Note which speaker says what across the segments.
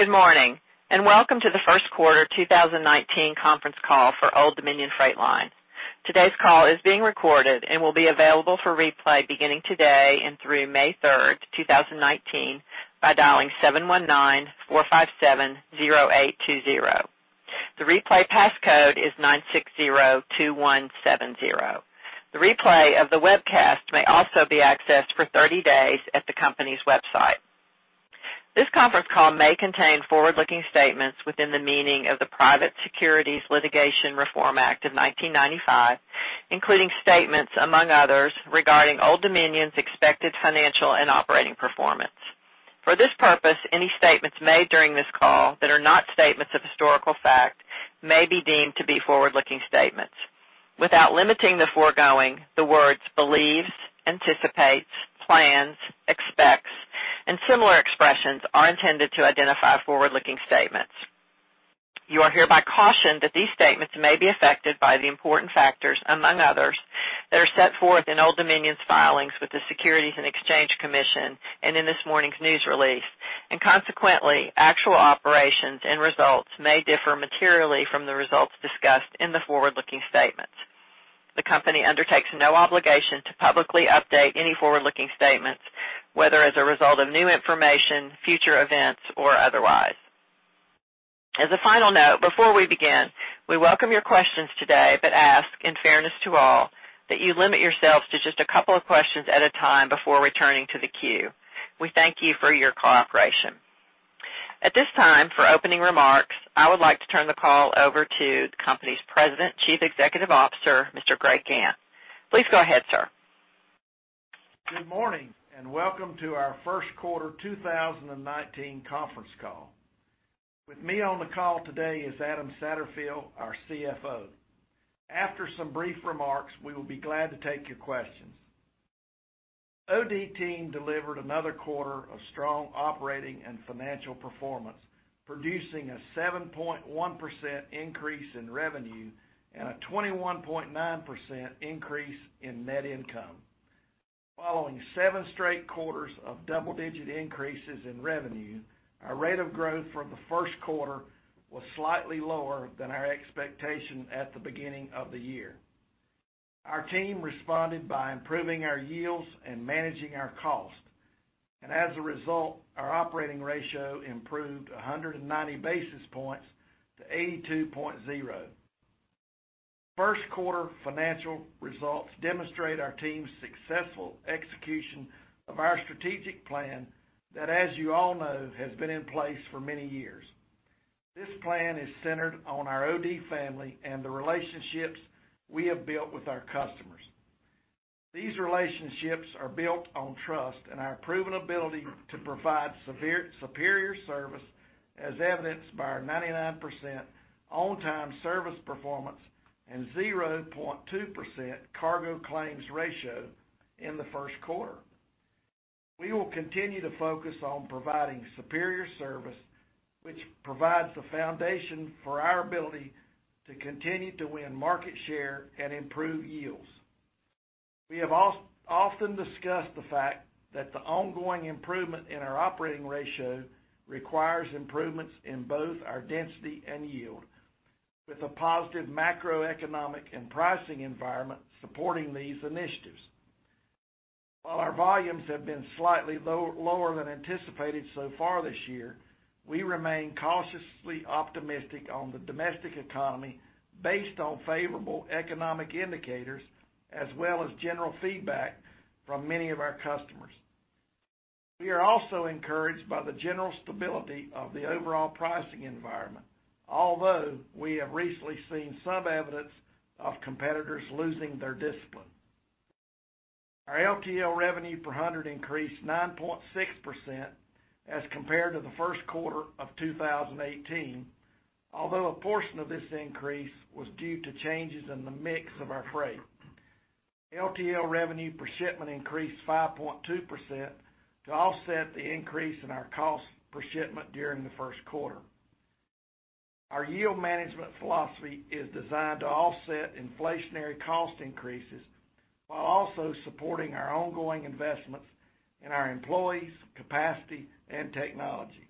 Speaker 1: Good morning, and welcome to the first quarter 2019 conference call for Old Dominion Freight Line. Today's call is being recorded and will be available for replay beginning today and through May 3rd, 2019, by dialing 719-457-0820. The replay passcode is 9602170. The replay of the webcast may also be accessed for 30 days at the company's website. This conference call may contain forward-looking statements within the meaning of the Private Securities Litigation Reform Act of 1995, including statements among others regarding Old Dominion's expected financial and operating performance. For this purpose, any statements made during this call that are not statements of historical fact may be deemed to be forward-looking statements. Without limiting the foregoing, the words believes, anticipates, plans, expects, and similar expressions are intended to identify forward-looking statements. You are hereby cautioned that these statements may be affected by the important factors, among others, that are set forth in Old Dominion's filings with the Securities and Exchange Commission, and in this morning's news release, and consequently, actual operations and results may differ materially from the results discussed in the forward-looking statements. The company undertakes no obligation to publicly update any forward-looking statements, whether as a result of new information, future events, or otherwise. As a final note, before we begin, we welcome your questions today, but ask, in fairness to all, that you limit yourselves to just a couple of questions at a time before returning to the queue. We thank you for your cooperation. At this time, for opening remarks, I would like to turn the call over to the company's President Chief Executive Officer, Mr. Greg Gantt. Please go ahead, sir.
Speaker 2: Good morning, and welcome to our first quarter 2019 conference call. With me on the call today is Adam Satterfield, our CFO. After some brief remarks, we will be glad to take your questions. OD team delivered another quarter of strong operating and financial performance, producing a 7.1% increase in revenue and a 21.9% increase in net income. Following seven straight quarters of double-digit increases in revenue, our rate of growth from the first quarter was slightly lower than our expectation at the beginning of the year. Our team responded by improving our yields and managing our cost. As a result, our operating ratio improved 190 basis points to 82.0. First quarter financial results demonstrate our team's successful execution of our strategic plan that, as you all know, has been in place for many years. This plan is centered on our OD family and the relationships we have built with our customers. These relationships are built on trust and our proven ability to provide superior service, as evidenced by our 99% on-time service performance and 0.2% cargo claims ratio in the first quarter. We will continue to focus on providing superior service, which provides the foundation for our ability to continue to win market share and improve yields. We have often discussed the fact that the ongoing improvement in our operating ratio requires improvements in both our density and yield, with a positive macroeconomic and pricing environment supporting these initiatives. While our volumes have been slightly lower than anticipated so far this year, we remain cautiously optimistic on the domestic economy based on favorable economic indicators, as well as general feedback from many of our customers. We are also encouraged by the general stability of the overall pricing environment, although we have recently seen some evidence of competitors losing their discipline. Our LTL revenue per hundredweight increased 9.6% as compared to the first quarter of 2018. A portion of this increase was due to changes in the mix of our freight. LTL revenue per shipment increased 5.2% to offset the increase in our cost per shipment during the first quarter. Our yield management philosophy is designed to offset inflationary cost increases while also supporting our ongoing investments in our employees, capacity, and technology.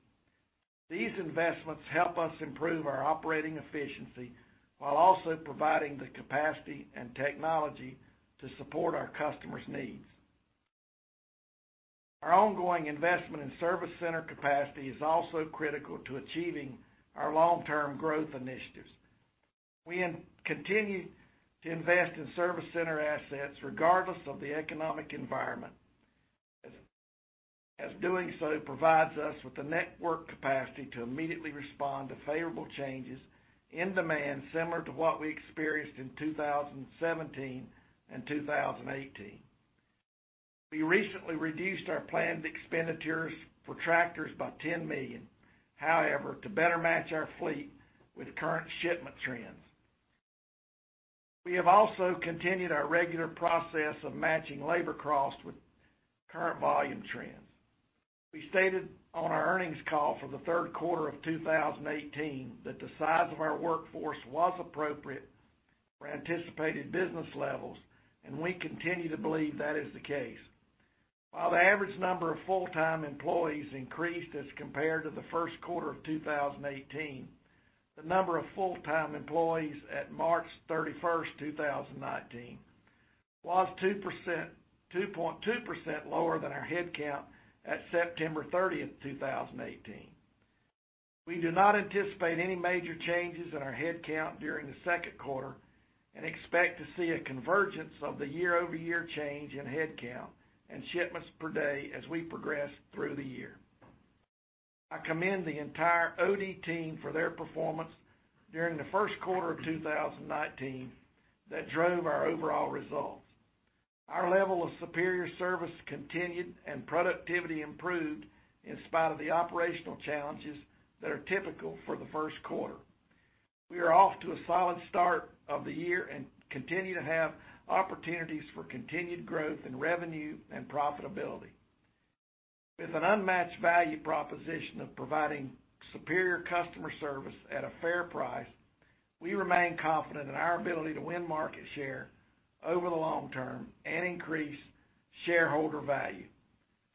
Speaker 2: These investments help us improve our operating efficiency while also providing the capacity and technology to support our customers' needs. Our ongoing investment in service center capacity is also critical to achieving our long-term growth initiatives. We continue to invest in service center assets regardless of the economic environment, as doing so provides us with the network capacity to immediately respond to favorable changes in demand similar to what we experienced in 2017 and 2018. We recently reduced our planned expenditures for tractors by $10 million. To better match our fleet with current shipment trends, we have also continued our regular process of matching labor costs with current volume trends. We stated on our earnings call for the third quarter of 2018 that the size of our workforce was appropriate for anticipated business levels, and we continue to believe that is the case. While the average number of full-time employees increased as compared to the first quarter of 2018, the number of full-time employees at March 31st, 2019 was 2.2% lower than our headcount at September 30th, 2018. We do not anticipate any major changes in our headcount during the second quarter and expect to see a convergence of the year-over-year change in headcount and shipments per day as we progress through the year. I commend the entire OD team for their performance during the first quarter of 2019 that drove our overall results. Our level of superior service continued, and productivity improved in spite of the operational challenges that are typical for the first quarter. We are off to a solid start of the year and continue to have opportunities for continued growth in revenue and profitability. With an unmatched value proposition of providing superior customer service at a fair price, we remain confident in our ability to win market share over the long term and increase shareholder value.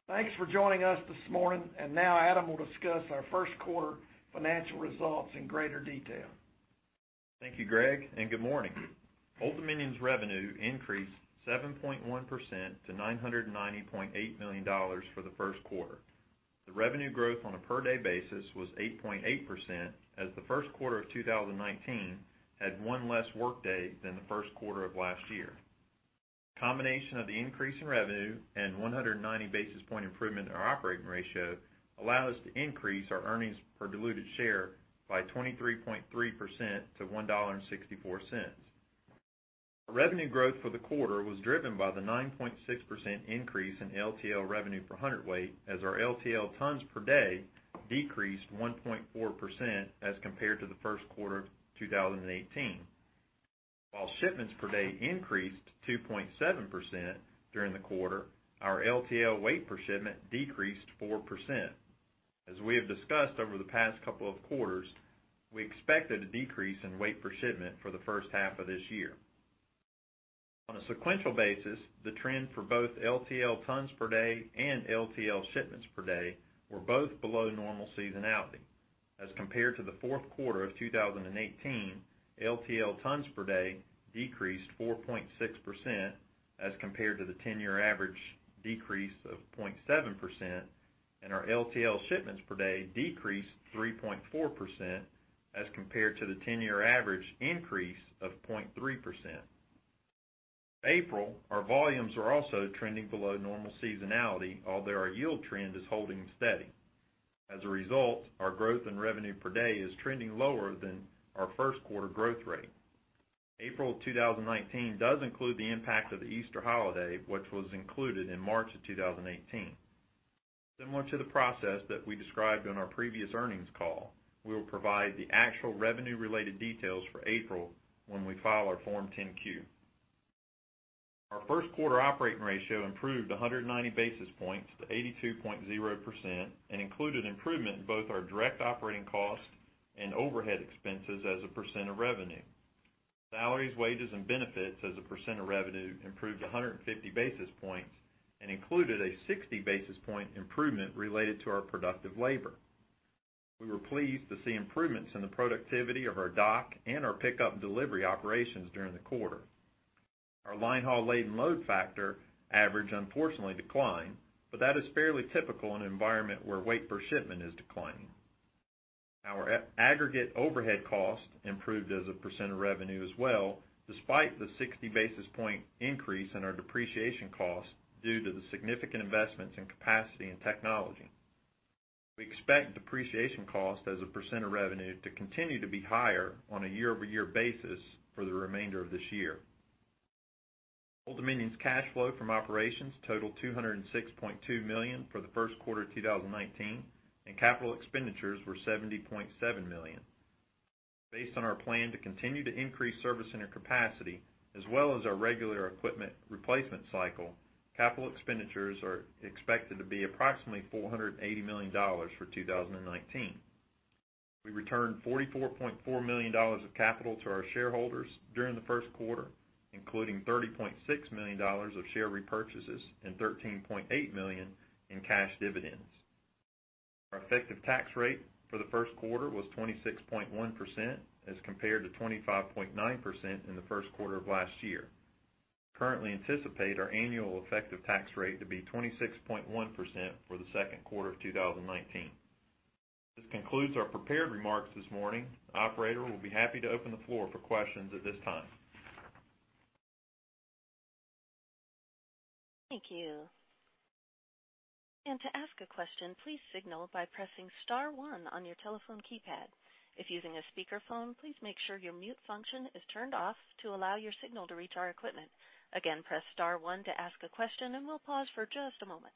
Speaker 2: Thanks for joining us this morning. Now Adam will discuss our first quarter financial results in greater detail.
Speaker 3: Thank you, Greg, and good morning. Old Dominion's revenue increased 7.1% to $990.8 million for the first quarter. The revenue growth on a per-day basis was 8.8%, as the first quarter of 2019 had one less workday than the first quarter of last year. A combination of the increase in revenue and 190 basis point improvement in our operating ratio allowed us to increase our earnings per diluted share by 23.3% to $1.64. Our revenue growth for the quarter was driven by the 9.6% increase in LTL revenue per hundredweight as our LTL tons per day decreased 1.4% as compared to the first quarter of 2018. While shipments per day increased 2.7% during the quarter, our LTL weight per shipment decreased 4%. As we have discussed over the past couple of quarters, we expected a decrease in weight per shipment for the first half of this year. On a sequential basis, the trend for both LTL tons per day and LTL shipments per day were both below normal seasonality. As compared to the fourth quarter of 2018, LTL tons per day decreased 4.6% as compared to the 10-year average decrease of 0.7%, and our LTL shipments per day decreased 3.4% as compared to the 10-year average increase of 0.3%. April, our volumes are also trending below normal seasonality, although our yield trend is holding steady. As a result, our growth in revenue per day is trending lower than our first quarter growth rate. April 2019 does include the impact of the Easter holiday, which was included in March of 2018. Similar to the process that we described on our previous earnings call, we will provide the actual revenue-related details for April when we file our Form 10-Q. Our first quarter operating ratio improved 190 basis points to 82.0% and included improvement in both our direct operating costs and overhead expenses as a percent of revenue. Salaries, wages, and benefits as a percent of revenue improved 150 basis points and included a 60 basis point improvement related to our productive labor. We were pleased to see improvements in the productivity of our dock and our pickup and delivery operations during the quarter. Our line haul laden load factor average unfortunately declined, but that is fairly typical in an environment where weight per shipment is declining. Our aggregate overhead cost improved as a percent of revenue as well, despite the 60 basis point increase in our depreciation cost due to the significant investments in capacity and technology. We expect depreciation cost as a percent of revenue to continue to be higher on a year-over-year basis for the remainder of this year. Old Dominion's cash flow from operations totaled $206.2 million for the first quarter of 2019, and capital expenditures were $70.7 million. Based on our plan to continue to increase service center capacity as well as our regular equipment replacement cycle, capital expenditures are expected to be approximately $480 million for 2019. We returned $44.4 million of capital to our shareholders during the first quarter, including $30.6 million of share repurchases and $13.8 million in cash dividends. Our effective tax rate for the first quarter was 26.1% as compared to 25.9% in the first quarter of last year. We currently anticipate our annual effective tax rate to be 26.1% for the second quarter of 2019. This concludes our prepared remarks this morning. The operator will be happy to open the floor for questions at this time.
Speaker 1: Thank you. To ask a question, please signal by pressing *1 on your telephone keypad. If using a speakerphone, please make sure your mute function is turned off to allow your signal to reach our equipment. Again, press *1 to ask a question, we'll pause for just a moment.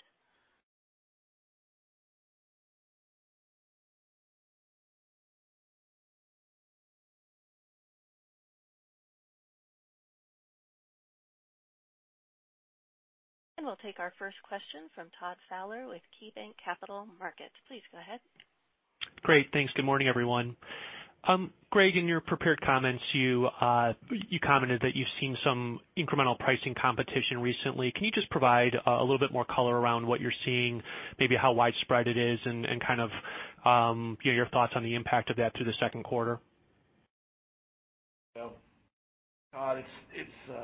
Speaker 1: We'll take our first question from Todd Fowler with KeyBanc Capital Markets. Please go ahead.
Speaker 4: Great. Thanks. Good morning, everyone. Greg, in your prepared comments, you commented that you've seen some incremental pricing competition recently. Can you just provide a little bit more color around what you're seeing, maybe how widespread it is and your thoughts on the impact of that through the second quarter?
Speaker 2: Well, Todd,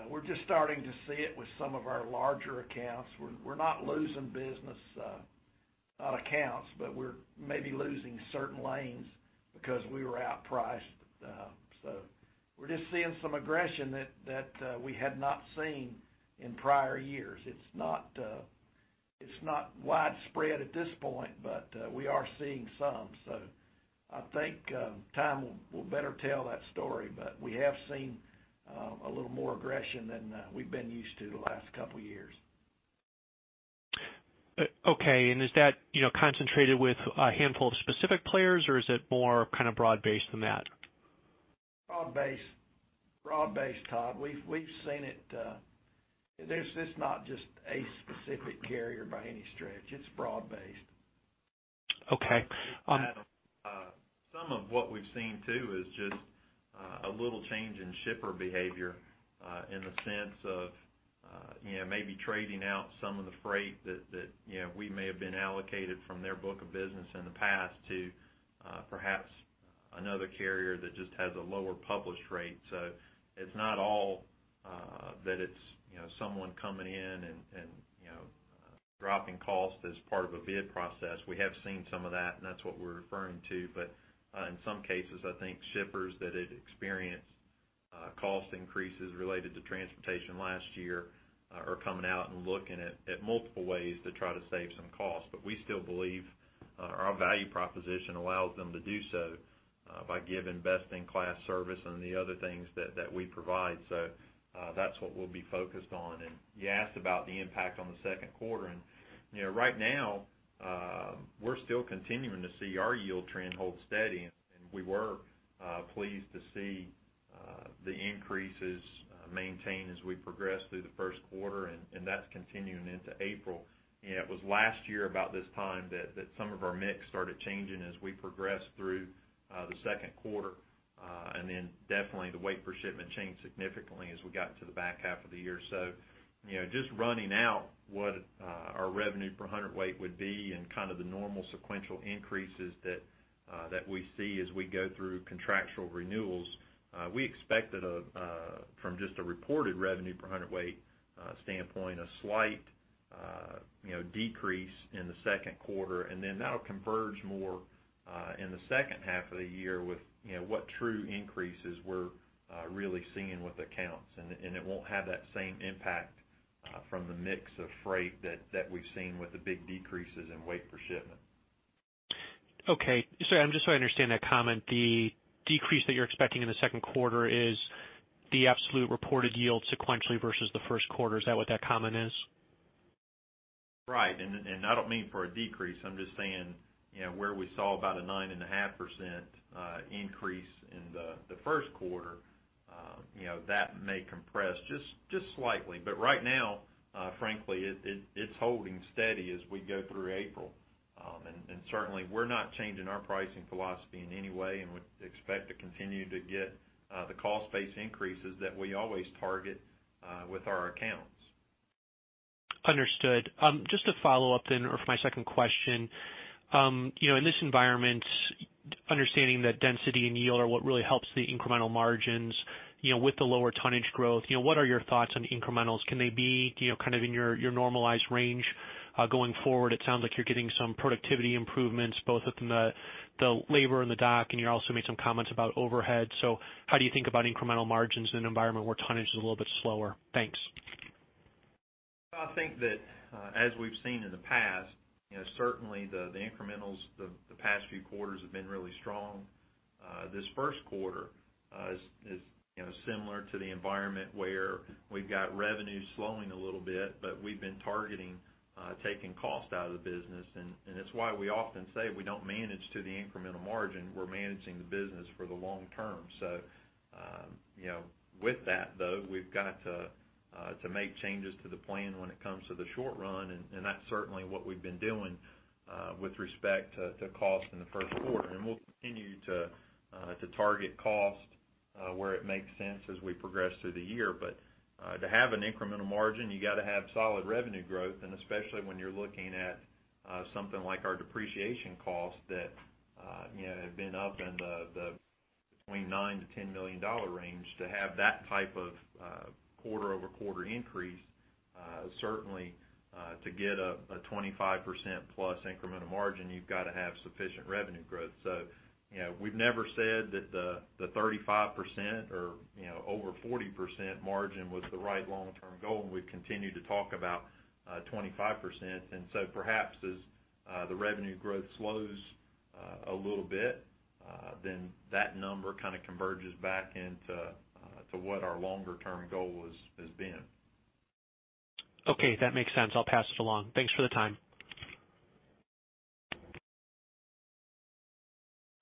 Speaker 2: we're just starting to see it with some of our larger accounts. We're not losing business on accounts, but we're maybe losing certain lanes because we were out-priced. We're just seeing some aggression that we had not seen in prior years. It's not widespread at this point, but we are seeing some. I think time will better tell that story. We have seen a little more aggression than we've been used to the last couple of years.
Speaker 4: Okay. Is that concentrated with a handful of specific players, or is it more broad-based than that?
Speaker 2: Broad based, Todd. We've seen it. It's not just a specific carrier by any stretch. It's broad based.
Speaker 4: Okay.
Speaker 3: Some of what we've seen too is just a little change in shipper behavior in the sense of maybe trading out some of the freight that we may have been allocated from their book of business in the past to perhaps another carrier that just has a lower published rate. It's not all that it's someone coming in and dropping cost as part of a bid process. We have seen some of that, and that's what we're referring to. In some cases, I think shippers that had experienced cost increases related to transportation last year are coming out and looking at multiple ways to try to save some cost. We still believe our value proposition allows them to do so by giving best-in-class service and the other things that we provide. That's what we'll be focused on. You asked about the impact on the second quarter. Right now, we're still continuing to see our yield trend hold steady. We were pleased to see the increases maintain as we progress through the first quarter. That's continuing into April. It was last year about this time that some of our mix started changing as we progressed through the second quarter. Definitely the weight per shipment changed significantly as we got into the back half of the year. Just running out what our revenue per hundredweight would be and the normal sequential increases that we see as we go through contractual renewals, we expected from just a reported revenue per hundredweight standpoint, a slight decrease in the second quarter. That'll converge more in the second half of the year with what true increases we're really seeing with accounts. It won't have that same impact from the mix of freight that we've seen with the big decreases in weight per shipment.
Speaker 4: Okay. Sorry, just so I understand that comment, the decrease that you're expecting in the second quarter is the absolute reported yield sequentially versus the first quarter. Is that what that comment is?
Speaker 3: Right. I don't mean for a decrease. I'm just saying where we saw about a nine and a half% increase in the first quarter, that may compress just slightly. Right now, frankly, it's holding steady as we go through April. Certainly, we're not changing our pricing philosophy in any way and would expect to continue to get the cost-based increases that we always target with our accounts.
Speaker 4: Understood. Just a follow-up for my second question. In this environment, understanding that density and yield are what really helps the incremental margins with the lower tonnage growth, what are your thoughts on incrementals? Can they be in your normalized range going forward? It sounds like you're getting some productivity improvements both within the labor and the dock, and you also made some comments about overhead. How do you think about incremental margins in an environment where tonnage is a little bit slower? Thanks.
Speaker 3: Well, I think that as we've seen in the past, certainly the incrementals the past few quarters have been really strong. This first quarter is similar to the environment where we've got revenue slowing a little bit, but we've been targeting taking cost out of the business. It's why we often say we don't manage to the incremental margin. We're managing the business for the long term. With that, though, we've got to make changes to the plan when it comes to the short run, and that's certainly what we've been doing with respect to cost in the first quarter. We'll continue to target cost where it makes sense as we progress through the year. To have an incremental margin, you got to have solid revenue growth, and especially when you're looking at something like our depreciation cost that had been up in between $9 million-$10 million range. To have that type of quarter-over-quarter increase, certainly to get a 25% plus incremental margin, you've got to have sufficient revenue growth. We've never said that the 35% or over 40% margin was the right long-term goal, and we've continued to talk about 25%. Perhaps as the revenue growth slows a little bit, then that number converges back into what our longer-term goal has been.
Speaker 4: Okay. That makes sense. I'll pass it along. Thanks for the time.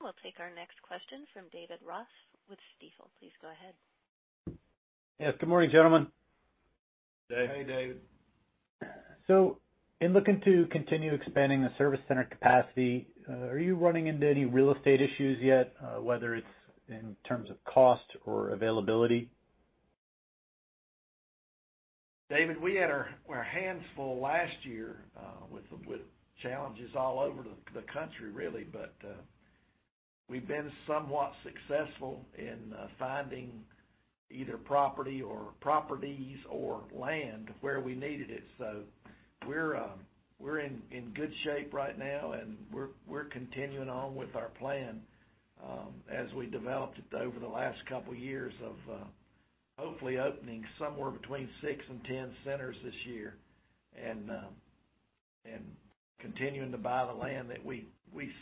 Speaker 1: We'll take our next question from David Ross with Stifel. Please go ahead.
Speaker 5: Yes. Good morning, gentlemen.
Speaker 2: Hey, David.
Speaker 5: In looking to continue expanding the service center capacity, are you running into any real estate issues yet, whether it's in terms of cost or availability?
Speaker 2: David, we had our hands full last year with challenges all over the country, really. We've been somewhat successful in finding either property or properties or land where we needed it. We're in good shape right now, and we're continuing on with our plan as we developed it over the last couple of years of hopefully opening somewhere between six and 10 centers this year and continuing to buy the land that we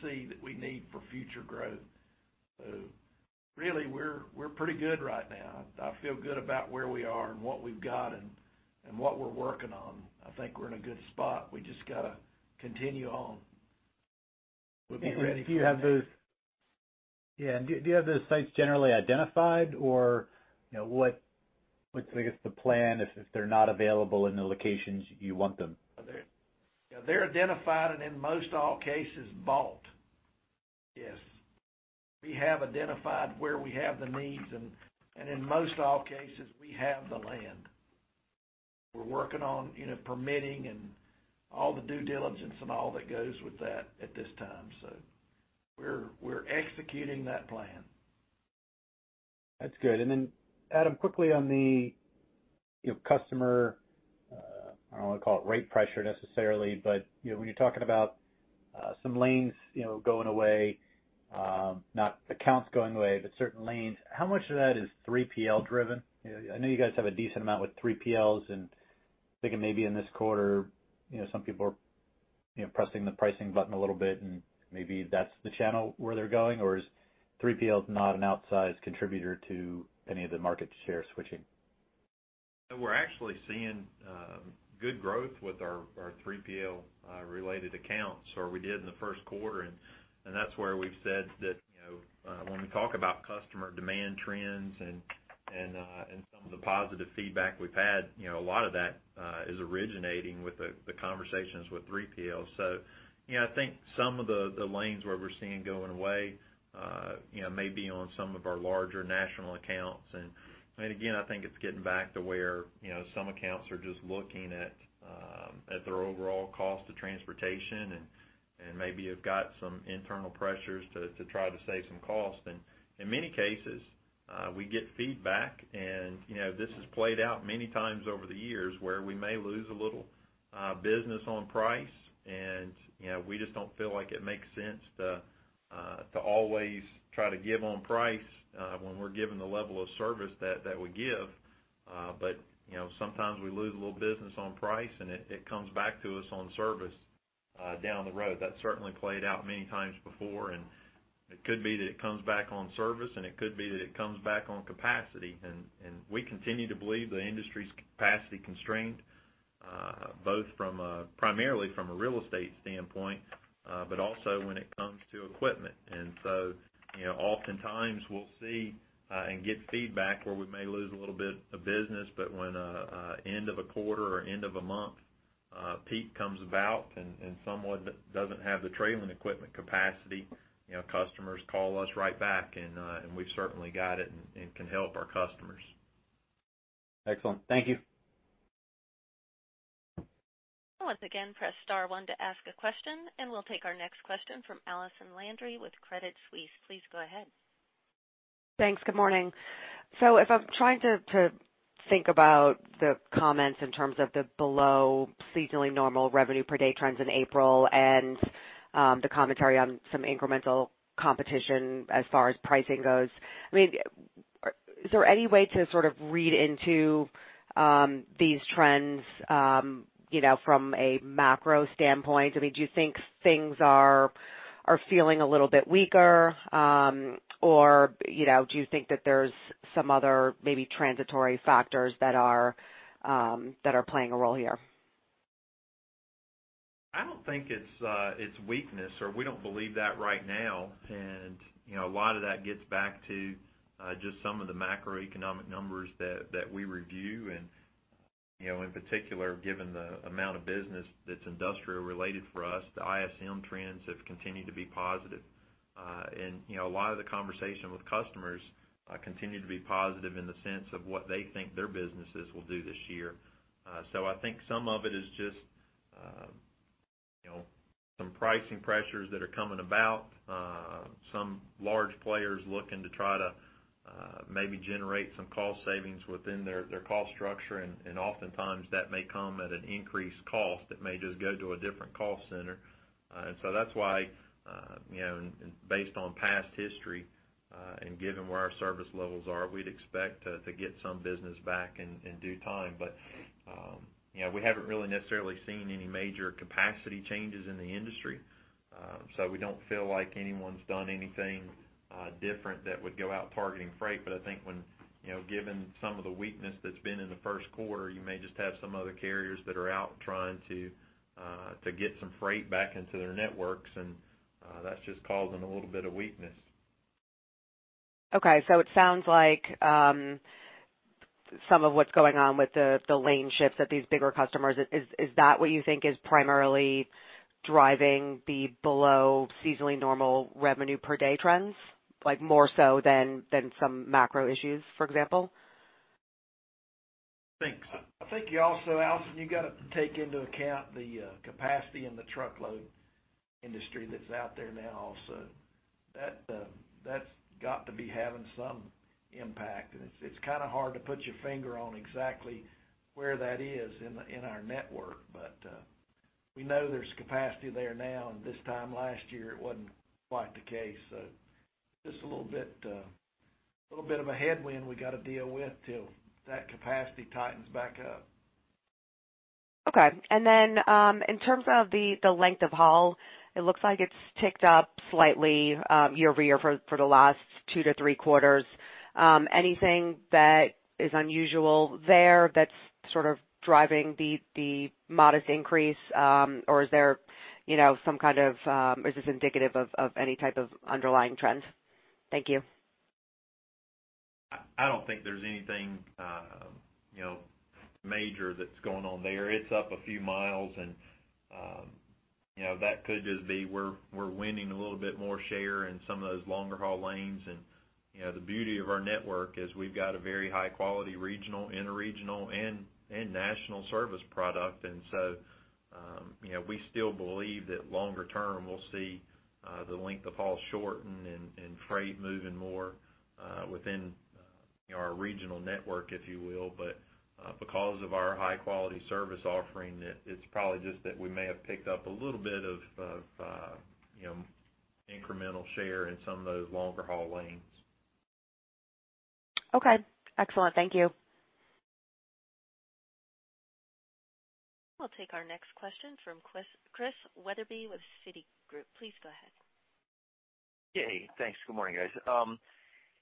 Speaker 2: see that we need for future growth. Really, we're pretty good right now. I feel good about where we are and what we've got and what we're working on. I think we're in a good spot. We just got to continue on. We'll be ready for-
Speaker 5: Do you have those sites generally identified, or what's the plan if they're not available in the locations you want them?
Speaker 2: They're identified and in most all cases, bought. Yes. We have identified where we have the needs, and in most all cases, we have the land. We're working on permitting and all the due diligence and all that goes with that at this time. We're executing that plan.
Speaker 5: That's good. Adam, quickly on the customer, I don't want to call it rate pressure necessarily, but when you're talking about some lanes going away, not accounts going away, but certain lanes, how much of that is 3PL driven? I know you guys have a decent amount with 3PLs, and thinking maybe in this quarter, some people are pressing the pricing button a little bit, and maybe that's the channel where they're going, or is 3PL not an outsized contributor to any of the market share switching?
Speaker 3: We're actually seeing good growth with our 3PL related accounts, or we did in the first quarter. That's where we've said that when we talk about customer demand trends and some of the positive feedback we've had, a lot of that is originating with the conversations with 3PL. I think some of the lanes where we're seeing going away may be on some of our larger national accounts. Again, I think it's getting back to where some accounts are just looking at their overall cost of transportation and maybe have got some internal pressures to try to save some cost. In many cases, we get feedback, and this has played out many times over the years where we may lose a little business on price, and we just don't feel like it makes sense to always try to give on price when we're giving the level of service that we give. Sometimes we lose a little business on price, and it comes back to us on service down the road. That certainly played out many times before, and it could be that it comes back on service, and it could be that it comes back on capacity. We continue to believe the industry's capacity constraint both primarily from a real estate standpoint but also when it comes to equipment. Oftentimes, we'll see and get feedback where we may lose a little bit of business, but when an end of a quarter or end of a month peak comes about and someone doesn't have the trailing equipment capacity, customers call us right back, and we've certainly got it and can help our customers.
Speaker 5: Excellent. Thank you.
Speaker 1: Once again, press star one to ask a question, we'll take our next question from Allison Landry with Credit Suisse. Please go ahead.
Speaker 6: Thanks. Good morning. If I'm trying to think about the comments in terms of the below seasonally normal revenue per day trends in April and the commentary on some incremental competition as far as pricing goes, is there any way to sort of read into these trends from a macro standpoint? Do you think things are feeling a little bit weaker? Do you think that there's some other maybe transitory factors that are playing a role here?
Speaker 3: I don't think it's weakness, or we don't believe that right now. A lot of that gets back to just some of the macroeconomic numbers that we review. In particular, given the amount of business that's industrial related for us, the ISM trends have continued to be positive. A lot of the conversation with customers continue to be positive in the sense of what they think their businesses will do this year. I think some of it is just some pricing pressures that are coming about, some large players looking to try to maybe generate some cost savings within their cost structure. Oftentimes, that may come at an increased cost that may just go to a different call center. That's why based on past history and given where our service levels are, we'd expect to get some business back in due time. We haven't really necessarily seen any major capacity changes in the industry. We don't feel like anyone's done anything different that would go out targeting freight. I think when given some of the weakness that's been in the first quarter, you may just have some other carriers that are out trying to get some freight back into their networks, and that's just causing a little bit of weakness.
Speaker 6: Okay. It sounds like some of what's going on with the lane shifts at these bigger customers, is that what you think is primarily driving the below seasonally normal revenue per day trends? More so than some macro issues, for example?
Speaker 3: Thanks. I think you also, Allison, you got to take into account the capacity in the truckload industry that's out there now also. That's got to be having some impact, and it's hard to put your finger on exactly where that is in our network. We know there's capacity there now, and this time last year it wasn't quite the case. Just a little bit of a headwind we got to deal with till that capacity tightens back up.
Speaker 6: Okay. Then, in terms of the length of haul, it looks like it's ticked up slightly year-over-year for the last two to three quarters. Anything that is unusual there that's sort of driving the modest increase? Is this indicative of any type of underlying trend? Thank you.
Speaker 3: I don't think there's anything major that's going on there. It's up a few miles that could just be we're winning a little bit more share in some of those longer haul lanes. The beauty of our network is we've got a very high quality regional, interregional, and national service product. So, we still believe that longer term, we'll see the length of haul shorten and freight moving more within our regional network, if you will. Because of our high quality service offering, it's probably just that we may have picked up a little bit of incremental share in some of those longer haul lanes.
Speaker 6: Okay. Excellent. Thank you.
Speaker 1: We'll take our next question from Chris Wetherbee with Citigroup. Please go ahead.
Speaker 7: Hey, thanks. Good morning, guys.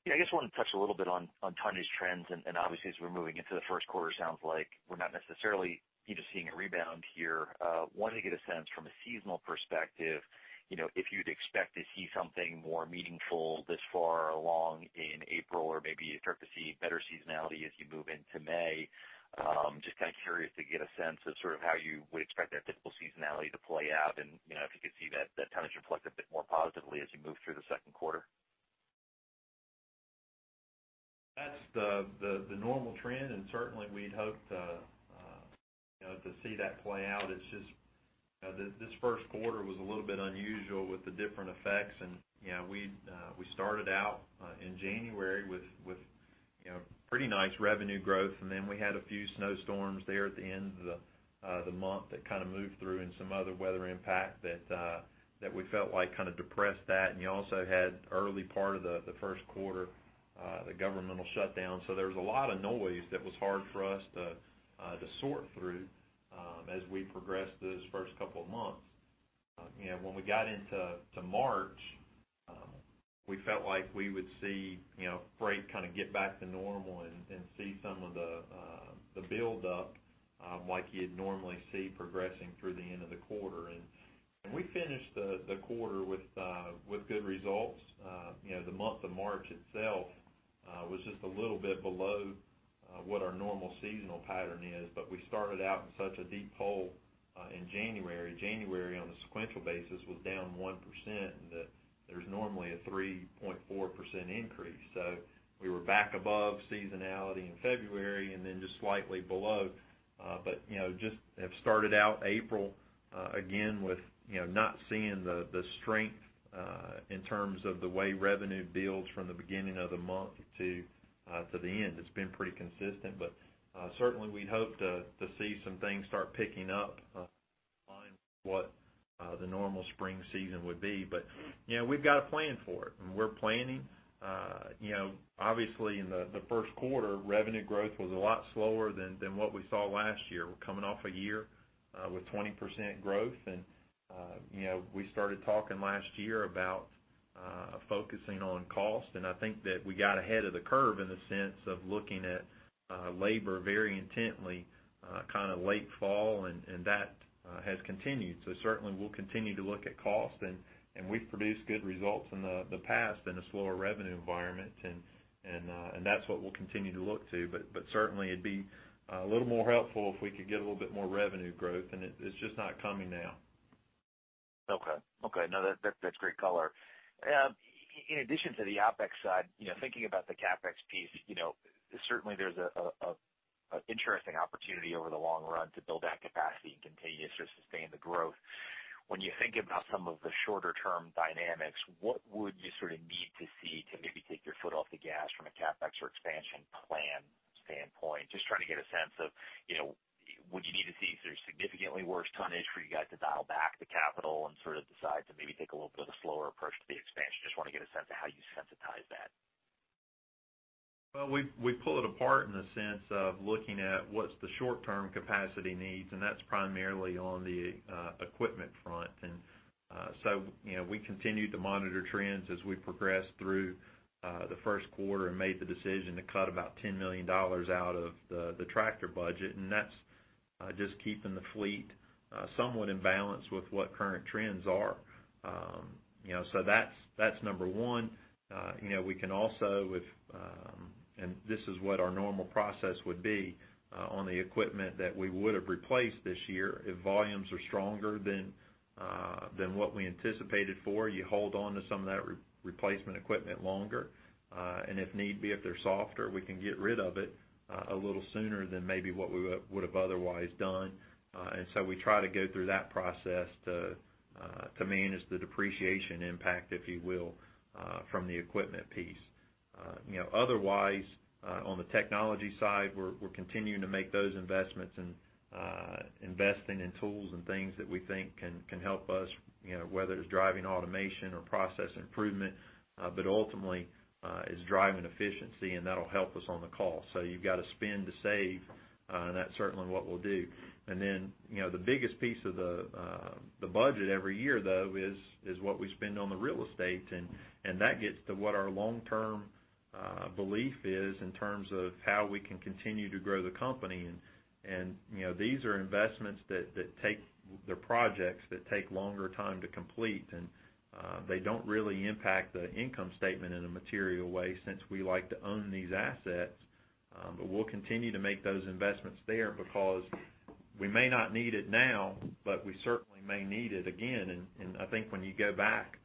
Speaker 7: Yeah, I just wanted to touch a little bit on tonnage trends, and obviously as we're moving into the first quarter, sounds like we're not necessarily, [inaudible] seeing a rebound here. Wanted to get a sense from a seasonal perspective, if you'd expect to see something more meaningful this far along in April, or maybe you start to see better seasonality as you move into May. Just curious to get a sense of sort of how you would expect that typical seasonality to play out and if you could see that tonnage reflect a bit more positively as you move through the second quarter.
Speaker 3: That's the normal trend. Certainly we'd hoped to see that play out. It's just this first quarter was a little bit unusual with the different effects. We started out in January with pretty nice revenue growth. Then we had a few snowstorms there at the end of the month that moved through and some other weather impact that we felt like depressed that. You also had early part of the first quarter, the governmental shutdown. There was a lot of noise that was hard for us to sort through as we progressed those first couple of months. When we got into March, we felt like we would see freight get back to normal and see some of the build up like you'd normally see progressing through the end of the quarter. We finished the quarter with good results. The month of March itself was just a little bit below what our normal seasonal pattern is. We started out in such a deep hole in January. January, on a sequential basis, was down 1%. There's normally a 3.4% increase. We were back above seasonality in February and then just slightly below. Just have started out April again with not seeing the strength in terms of the way revenue builds from the beginning of the month to the end. It's been pretty consistent. Certainly we'd hoped to see some things start picking up in line with what the normal spring season would be. We've got a plan for it, and we're planning. Obviously, in the first quarter, revenue growth was a lot slower than what we saw last year. We're coming off a year with 20% growth. We started talking last year about focusing on cost. I think that we got ahead of the curve in the sense of looking at labor very intently late fall, and that has continued. Certainly we'll continue to look at cost, and we've produced good results in the past in a slower revenue environment. That's what we'll continue to look to, but certainly it'd be a little more helpful if we could get a little bit more revenue growth. It's just not coming now.
Speaker 7: Okay. No, that's great color. In addition to the OpEx side, thinking about the CapEx piece, certainly there's an interesting opportunity over the long run to build that capacity and continue to sustain the growth. When you think about some of the shorter term dynamics, what would you need to see to maybe take your foot off the gas from a CapEx or expansion plan standpoint? Just trying to get a sense of would you need to see significantly worse tonnage for you guys to dial back the capital and decide to maybe take a little bit of a slower approach to the expansion? Just want to get a sense of how you sensitize that.
Speaker 3: We pull it apart in the sense of looking at what's the short term capacity needs, and that's primarily on the equipment front. We continued to monitor trends as we progressed through the first quarter and made the decision to cut about $10 million out of the tractor budget. That's just keeping the fleet somewhat in balance with what current trends are. That's number 1. We can also, this is what our normal process would be on the equipment that we would have replaced this year, if volumes are stronger than what we anticipated for, you hold on to some of that replacement equipment longer. If need be, if they're softer, we can get rid of it a little sooner than maybe what we would have otherwise done. We try to go through that process to manage the depreciation impact, if you will, from the equipment piece. Otherwise, on the technology side, we're continuing to make those investments and investing in tools and things that we think can help us, whether it's driving automation or process improvement. Ultimately, it's driving efficiency, and that'll help us on the cost. You've got to spend to save, and that's certainly what we'll do. The biggest piece of the budget every year, though, is what we spend on the real estate. That gets to what our long-term belief is in terms of how we can continue to grow the company. These are investments, they're projects that take longer time to complete, and they don't really impact the income statement in a material way since we like to own these assets. We'll continue to make those investments there because we may not need it now, but we certainly may need it again. I think when you go back,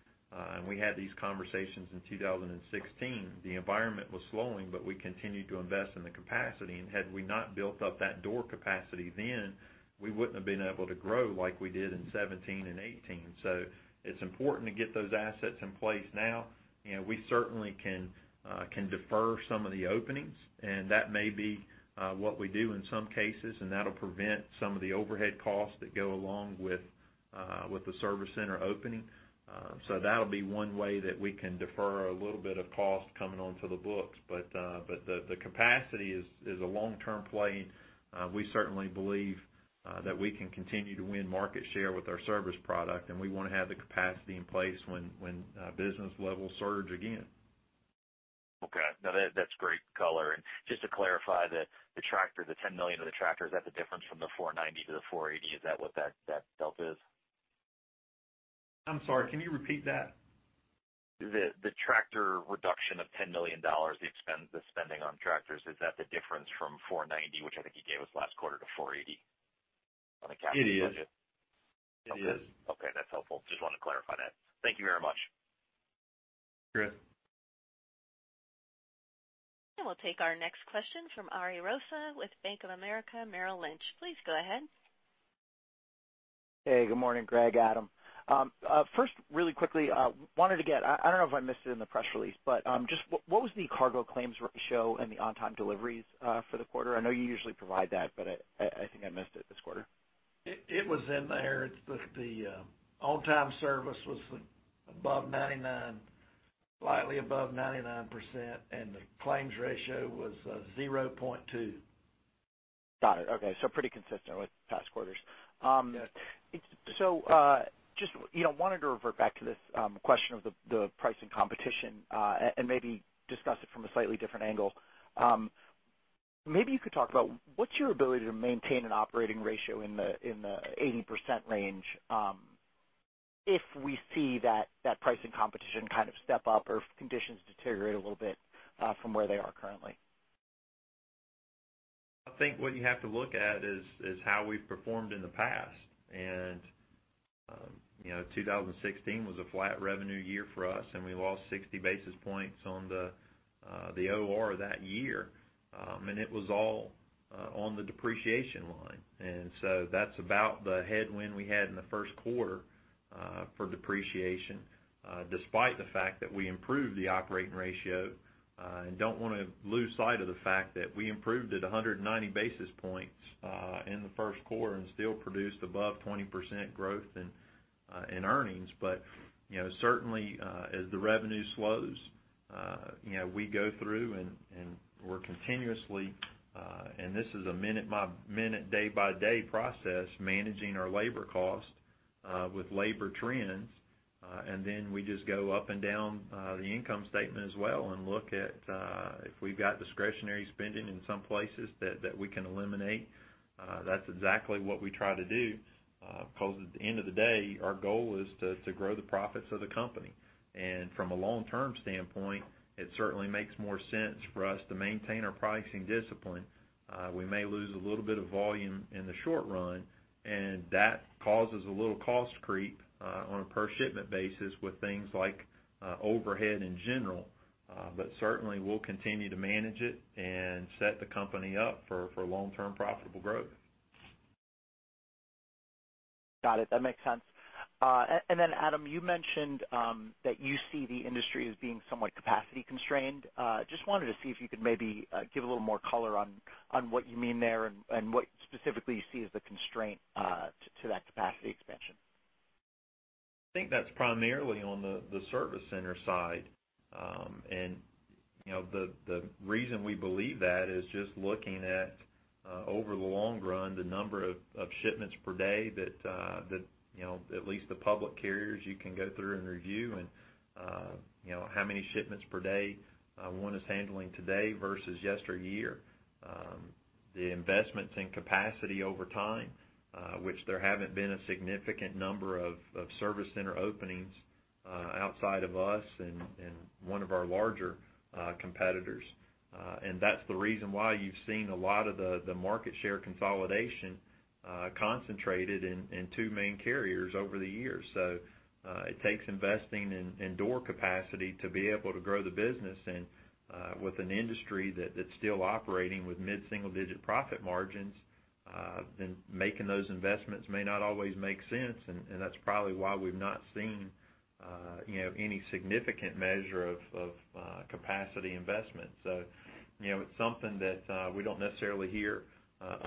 Speaker 3: and we had these conversations in 2016, the environment was slowing, but we continued to invest in the capacity. Had we not built up that door capacity then, we wouldn't have been able to grow like we did in 2017 and 2018. It's important to get those assets in place now. We certainly can defer some of the openings, and that may be what we do in some cases, and that'll prevent some of the overhead costs that go along with the service center opening. That'll be one way that we can defer a little bit of cost coming onto the books. The capacity is a long-term play. We certainly believe that we can continue to win market share with our service product, and we want to have the capacity in place when business levels surge again.
Speaker 7: Okay. No, that's great color. Just to clarify that the tractor, the $10 million of the tractor, is that the difference from the 490 to the 480? Is that what that delta is?
Speaker 3: I'm sorry, can you repeat that?
Speaker 7: The tractor reduction of $10 million, the spending on tractors, is that the difference from 490, which I think you gave us last quarter, to 480 on the capital budget?
Speaker 3: It is.
Speaker 7: Okay. That's helpful. Just wanted to clarify that. Thank you very much.
Speaker 3: Great.
Speaker 1: We'll take our next question from Ariel Rosa with Bank of America Merrill Lynch. Please go ahead.
Speaker 8: Hey, good morning, Greg, Adam. First, really quickly, wanted to get, I don't know if I missed it in the press release, just what was the cargo claims ratio and the on-time deliveries for the quarter? I know you usually provide that, I think I missed it this quarter.
Speaker 3: It was in there. The on-time service was slightly above 99%, and the claims ratio was 0.2%.
Speaker 8: Got it. Okay. Pretty consistent with past quarters.
Speaker 3: Yes.
Speaker 8: Just wanted to revert back to this question of the price and competition, and maybe discuss it from a slightly different angle. Maybe you could talk about what's your ability to maintain an operating ratio in the 80% range if we see that pricing competition kind of step up or if conditions deteriorate a little bit from where they are currently?
Speaker 3: I think what you have to look at is how we've performed in the past. 2016 was a flat revenue year for us, we lost 60 basis points on the OR that year. It was all on the depreciation line. That's about the headwind we had in the first quarter for depreciation, despite the fact that we improved the operating ratio and don't want to lose sight of the fact that we improved it 190 basis points in the first quarter and still produced above 20% growth in earnings. Certainly, as the revenue slows, we go through and we're continuously, and this is a minute by minute, day by day process, managing our labor cost with labor trends. We just go up and down the income statement as well and look at if we've got discretionary spending in some places that we can eliminate. That's exactly what we try to do. At the end of the day, our goal is to grow the profits of the company. From a long-term standpoint, it certainly makes more sense for us to maintain our pricing discipline. We may lose a little bit of volume in the short run, that causes a little cost creep on a per shipment basis with things like overhead in general. Certainly, we'll continue to manage it and set the company up for long-term profitable growth.
Speaker 8: Got it. That makes sense. Adam, you mentioned that you see the industry as being somewhat capacity constrained. Just wanted to see if you could maybe give a little more color on what you mean there and what specifically you see as the constraint to that capacity expansion.
Speaker 3: I think that's primarily on the service center side. The reason we believe that is just looking at, over the long run, the number of shipments per day that at least the public carriers, you can go through and review and how many shipments per day one is handling today versus yesteryear. The investments in capacity over time, which there haven't been a significant number of service center openings outside of us and one of our larger competitors. That's the reason why you've seen a lot of the market share consolidation concentrated in two main carriers over the years. It takes investing in door capacity to be able to grow the business. With an industry that's still operating with mid-single-digit profit margins, making those investments may not always make sense. That's probably why we've not seen any significant measure of capacity investment. It's something that we don't necessarily hear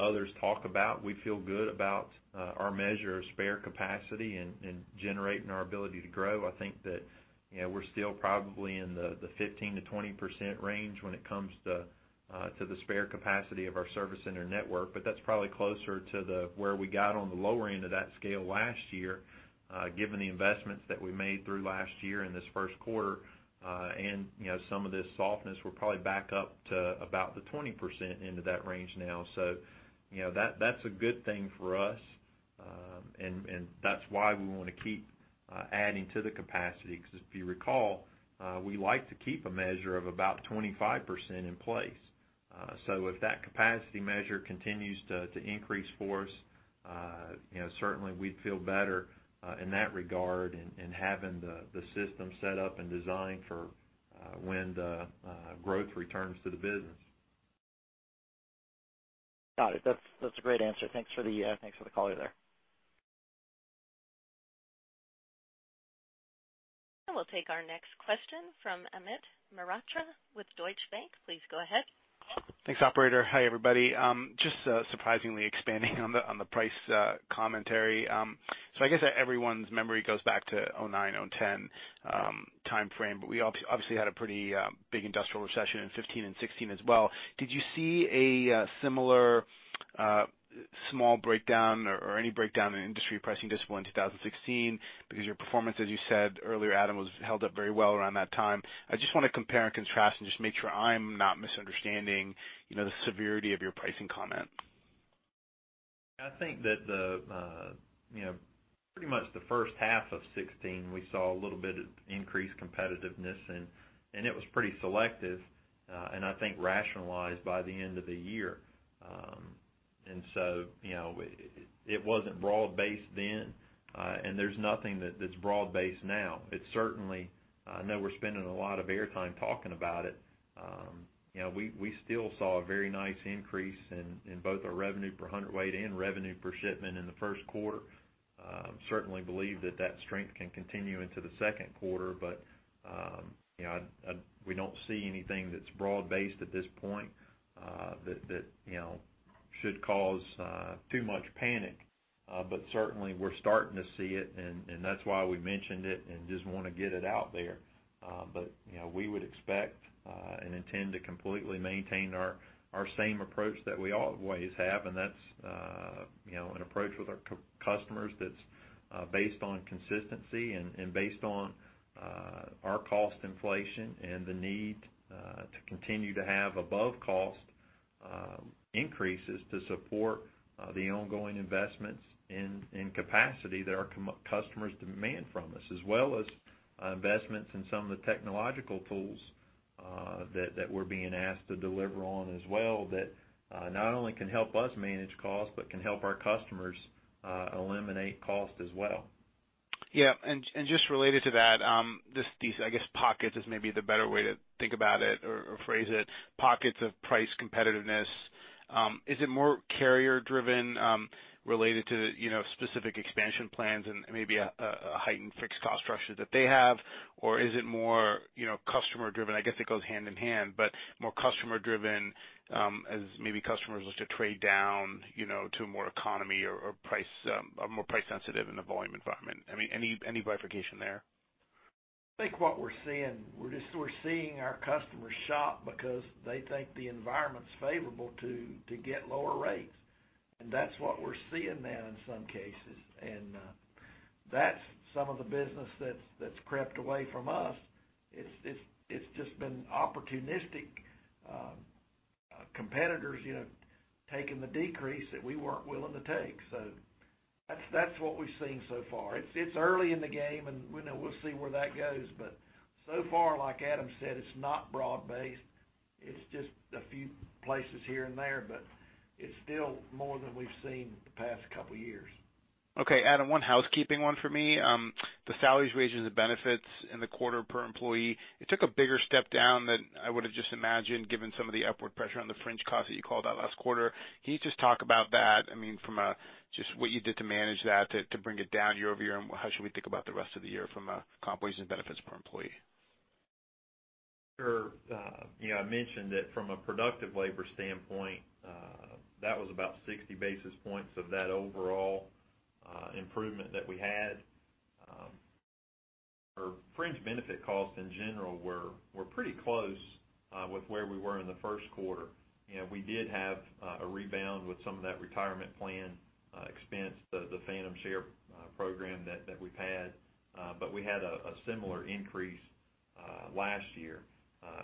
Speaker 3: others talk about. We feel good about our measure of spare capacity in generating our ability to grow. I think that we're still probably in the 15%-20% range when it comes to the spare capacity of our service center network. That's probably closer to where we got on the lower end of that scale last year. Given the investments that we made through last year and this first quarter, and some of this softness, we're probably back up to about the 20% into that range now. That's a good thing for us, and that's why we want to keep adding to the capacity, because if you recall, we like to keep a measure of about 25% in place. If that capacity measure continues to increase for us, certainly we'd feel better, in that regard, in having the system set up and designed for when the growth returns to the business.
Speaker 8: Got it. That's a great answer. Thanks for the call there.
Speaker 1: We'll take our next question from Amit Mehrotra with Deutsche Bank. Please go ahead.
Speaker 9: Thanks, operator. Hi, everybody. Just surprisingly expanding on the price commentary. I guess that everyone's memory goes back to 2009, 2010 timeframe, we obviously had a pretty big industrial recession in 2015 and 2016 as well. Did you see a similar small breakdown or any breakdown in industry pricing discipline in 2016? Your performance, as you said earlier, Adam, held up very well around that time. I just want to compare and contrast and just make sure I'm not misunderstanding the severity of your pricing comment.
Speaker 3: I think that pretty much the first half of 2016, we saw a little bit of increased competitiveness and it was pretty selective. I think rationalized by the end of the year. It wasn't broad-based then. There's nothing that's broad-based now. It's certainly, I know we're spending a lot of airtime talking about it. We still saw a very nice increase in both our revenue per hundredweight and revenue per shipment in the first quarter. Certainly believe that strength can continue into the second quarter, we don't see anything that's broad-based at this point that should cause too much panic. Certainly we're starting to see it, and that's why we mentioned it and just want to get it out there. We would expect, and intend to completely maintain our same approach that we always have. That's an approach with our customers that's based on consistency and based on our cost inflation and the need to continue to have above cost increases to support the ongoing investments in capacity that our customers demand from us, as well as investments in some of the technological tools that we're being asked to deliver on as well, that not only can help us manage costs, but can help our customers eliminate cost as well.
Speaker 9: Yeah. Just related to that, these pockets is maybe the better way to think about it or phrase it, pockets of price competitiveness. Is it more carrier driven, related to specific expansion plans and maybe a heightened fixed cost structure that they have? Or is it more customer driven? I guess it goes hand in hand, more customer driven, as maybe customers look to trade down to more economy or are more price sensitive in the volume environment. Any clarification there?
Speaker 2: I think what we're seeing, we're seeing our customers shop because they think the environment's favorable to get lower rates. That's what we're seeing now in some cases. That's some of the business that's crept away from us. It's just been opportunistic competitors taking the decrease that we weren't willing to take. That's what we've seen so far. It's early in the game, we'll see where that goes. So far, like Adam said, it's not broad-based. It's just a few places here and there, but it's still more than we've seen the past couple of years.
Speaker 9: Okay. Adam, one housekeeping one for me. The salaries, wages, and benefits in the quarter per employee, it took a bigger step down than I would've just imagined, given some of the upward pressure on the fringe costs that you called out last quarter. Can you just talk about that? From a just what you did to manage that, to bring it down year-over-year, how should we think about the rest of the year from a compensation benefits per employee?
Speaker 3: Sure. I mentioned that from a productive labor standpoint, that was about 60 basis points of that overall improvement that we had. Our fringe benefit costs in general were pretty close with where we were in the first quarter. We did have a rebound with some of that retirement plan expense, the phantom share program that we've had. We had a similar increase last year.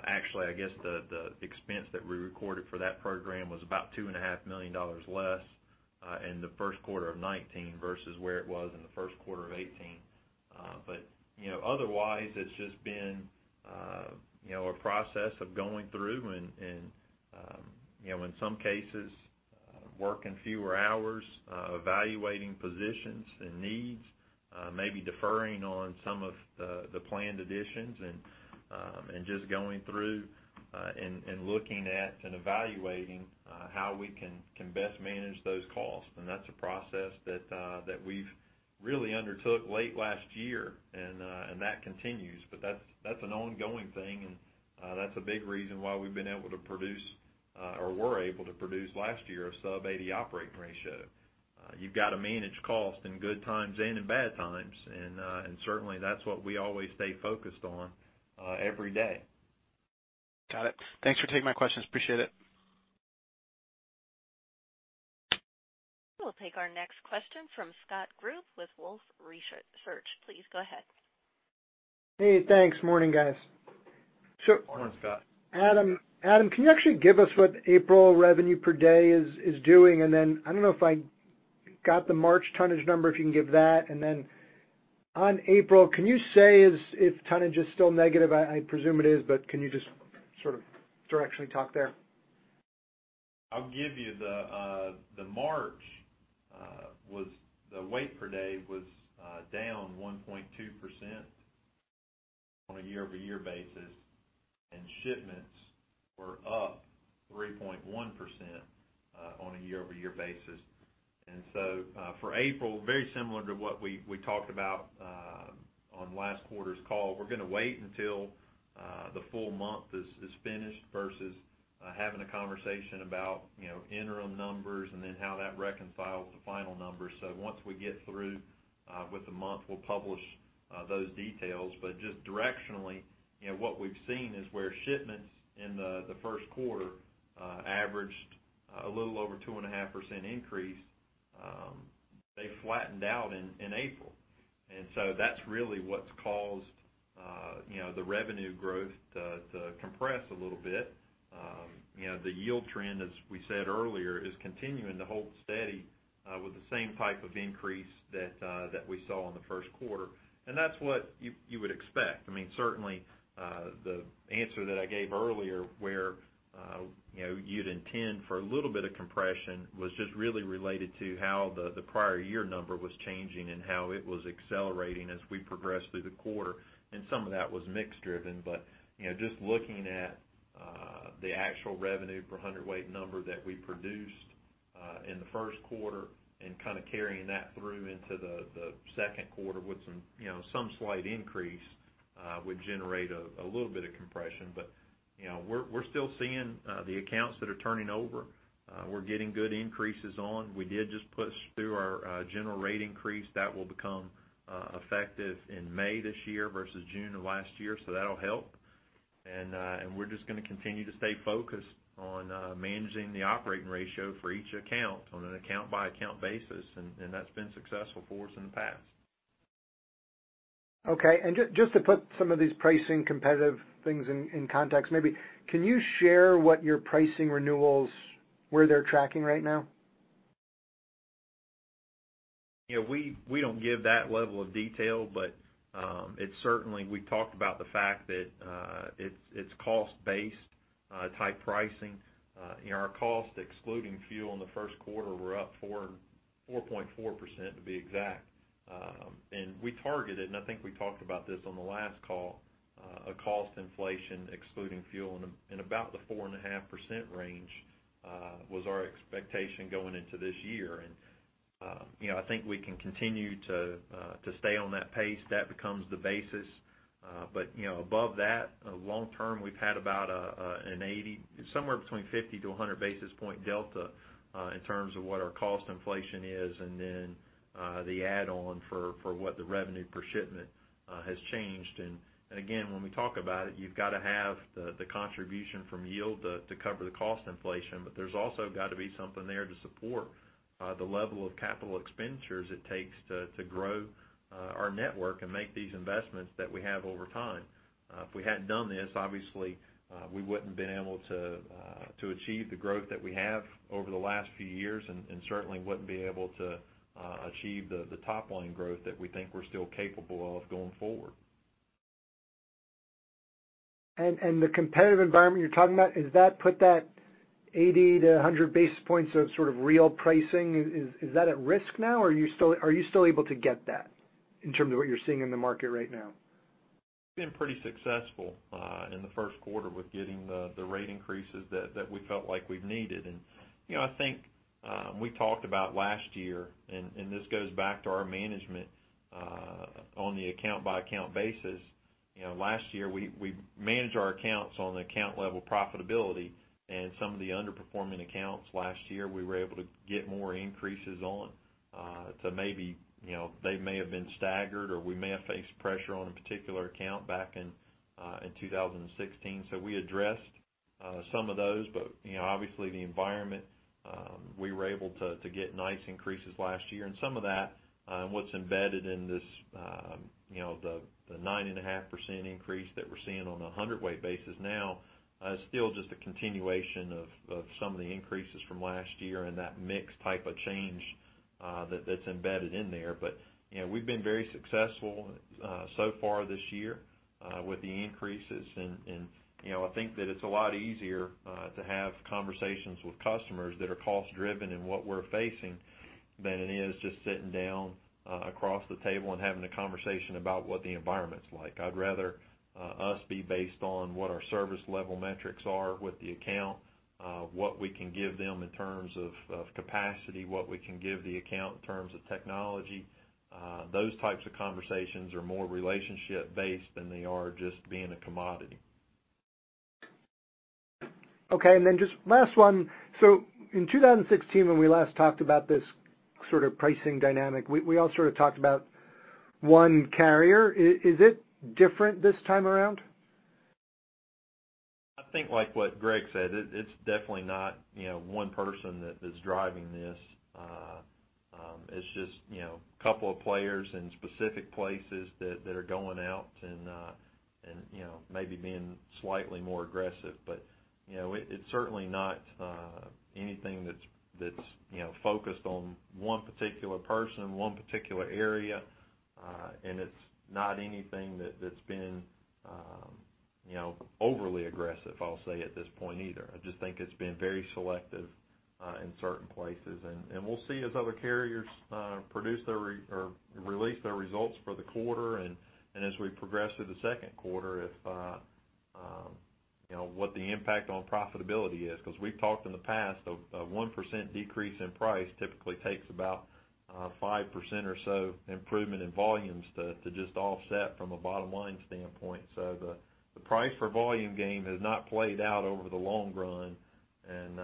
Speaker 3: Actually, I guess the expense that we recorded for that program was about $2.5 million less in the first quarter of 2019 versus where it was in the first quarter of 2018. Otherwise, it's just been a process of going through in some cases, working fewer hours, evaluating positions needs, maybe deferring on some of the planned additions just going through looking at and evaluating how we can best manage those costs. That's a process that we've really undertook late last year, that continues. That's an ongoing thing, that's a big reason why we've been able to produce, or were able to produce last year, a sub-80 operating ratio. You've got to manage costs in good times and in bad times, certainly, that's what we always stay focused on every day.
Speaker 9: Got it. Thanks for taking my questions. Appreciate it.
Speaker 1: We'll take our next question from Scott Group with Wolfe Research. Please go ahead.
Speaker 10: Hey, thanks. Morning, guys.
Speaker 3: Morning, Scott.
Speaker 10: Adam, can you actually give us what April revenue per day is doing? I don't know if I got the March tonnage number, if you can give that. On April, can you say if tonnage is still negative? I presume it is, but can you just sort of directionally talk there?
Speaker 3: I'll give you the March, the weight per day was down 1.2% on a year-over-year basis, shipments were up 3.1% on a year-over-year basis. For April, very similar to what we talked about on last quarter's call, we're going to wait until the full month is finished versus having a conversation about interim numbers and then how that reconciles the final numbers. Once we get through with the month, we'll publish those details. Just directionally, what we've seen is where shipments in the first quarter averaged a little over 2.5% increase. They flattened out in April. That's really what's caused the revenue growth to compress a little bit. The yield trend, as we said earlier, is continuing to hold steady with the same type of increase that we saw in the first quarter. That's what you would expect. Certainly, the answer that I gave earlier where you'd intend for a little bit of compression was just really related to how the prior year number was changing and how it was accelerating as we progressed through the quarter. Some of that was mix driven. Just looking at the actual revenue per hundredweight number that we produced in the first quarter and kind of carrying that through into the second quarter with some slight increase would generate a little bit of compression. We're still seeing the accounts that are turning over. We're getting good increases on. We did just push through our general rate increase that will become effective in May this year versus June of last year. That'll help. We're just going to continue to stay focused on managing the operating ratio for each account on an account by account basis. That's been successful for us in the past.
Speaker 10: Okay, just to put some of these pricing competitive things in context, maybe can you share what your pricing renewals, where they're tracking right now?
Speaker 3: We don't give that level of detail, it certainly, we talked about the fact that it's cost-based type pricing. Our cost excluding fuel in the first quarter were up 4.4% to be exact. We targeted, I think we talked about this on the last call, a cost inflation excluding fuel in about the 4.5% range was our expectation going into this year. I think we can continue to stay on that pace. That becomes the basis. Above that, long term, we've had about an 80, somewhere between 50 to 100 basis point delta in terms of what our cost inflation is, then the add on for what the revenue per shipment has changed. Again, when we talk about it, you've got to have the contribution from yield to cover the cost inflation. There's also got to be something there to support the level of capital expenditures it takes to grow our network and make these investments that we have over time. If we hadn't done this, obviously we wouldn't have been able to achieve the growth that we have over the last few years and certainly wouldn't be able to achieve the top line growth that we think we're still capable of going forward.
Speaker 10: The competitive environment you're talking about, does that put that 80 to 100 basis points of sort of real pricing, is that at risk now, or are you still able to get that in terms of what you're seeing in the market right now?
Speaker 3: Been pretty successful in the first quarter with getting the rate increases that we felt like we've needed. I think we talked about last year, and this goes back to our management on the account-by-account basis. Last year we managed our accounts on the account-level profitability, and some of the underperforming accounts last year we were able to get more increases on to maybe they may have been staggered or we may have faced pressure on a particular account back in 2016. We addressed some of those, obviously the environment, we were able to get nice increases last year. Some of that, what's embedded in this, the 9.5% increase that we're seeing on a 100 weight basis now is still just a continuation of some of the increases from last year and that mix-type of change that's embedded in there. We've been very successful so far this year with the increases. I think that it's a lot easier to have conversations with customers that are cost-driven in what we're facing than it is just sitting down across the table and having a conversation about what the environment's like. I'd rather us be based on what our service-level metrics are with the account, what we can give them in terms of capacity, what we can give the account in terms of technology. Those types of conversations are more relationship-based than they are just being a commodity.
Speaker 10: Just last one. In 2016, when we last talked about this sort of pricing dynamic, we all sort of talked about one carrier. Is it different this time around?
Speaker 3: I think like what Greg said, it's definitely not one person that is driving this. It's just a couple of players in specific places that are going out and maybe being slightly more aggressive. It's certainly not anything that's focused on one particular person, one particular area. It's not anything that's been overly aggressive, I'll say, at this point either. I just think it's been very selective in certain places. We'll see as other carriers produce or release their results for the quarter and as we progress through the second quarter what the impact on profitability is. Because we've talked in the past, a 1% decrease in price typically takes about 5% or so improvement in volumes to just offset from a bottom-line standpoint. the price for volume game has not played out over the long run, and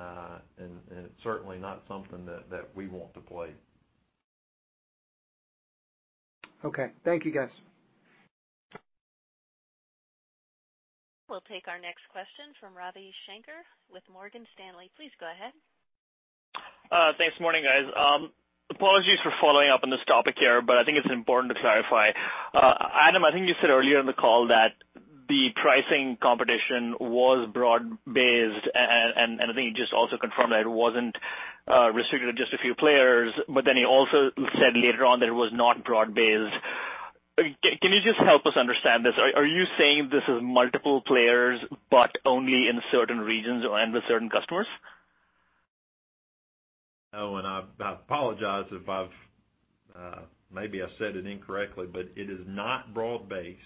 Speaker 3: it's certainly not something that we want to play.
Speaker 10: Okay. Thank you, guys.
Speaker 1: We'll take our next question from Ravi Shanker with Morgan Stanley. Please go ahead.
Speaker 11: Thanks. Morning, guys. Apologies for following up on this topic here. I think it's important to clarify. Adam, I think you said earlier in the call that the pricing competition was broad-based. I think you just also confirmed that it wasn't restricted to just a few players. You also said later on that it was not broad-based. Can you just help us understand this? Are you saying this is multiple players, but only in certain regions and with certain customers?
Speaker 3: No, I apologize if maybe I said it incorrectly, but it is not broad-based.